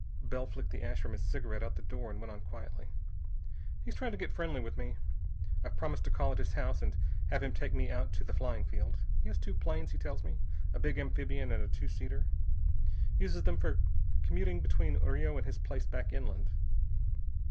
Bell flicked the ash from his cigarette out the door, and went on quietly. "He's trying to get friendly with me. I've promised to call at his house and have him take me out to the flying field. He has two planes, he tells me, a big amphibian and a two seater. Uses them for commuting between Rio and his place back inland.